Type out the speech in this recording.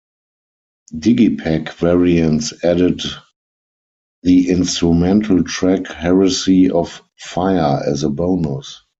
Digipack variants added the instrumental track 'Heresy Of Fire' as a bonus.